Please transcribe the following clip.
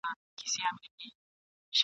د غوايی سترګي که خلاصي وي نو څه دي !.